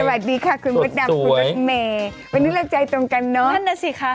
สวัสดีค่ะคุณพระดับคุณพระดับเมวันนี้เราใจตรงกันเนอะ